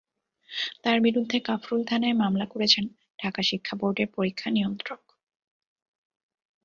তাঁর বিরুদ্ধে কাফরুল থানায় মামলা করেছেন ঢাকা শিক্ষা বোর্ডের পরীক্ষা নিয়ন্ত্রক।